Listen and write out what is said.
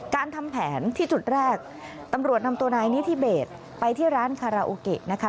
การทำแผนที่จุดแรกตำรวจนำตัวนายนิธิเบสไปที่ร้านคาราโอเกะนะคะ